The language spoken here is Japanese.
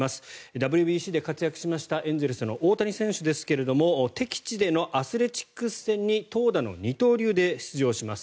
ＷＢＣで活躍しましたエンゼルスの大谷選手ですが敵地でのアスレチックス戦に投打の二刀流で出場します。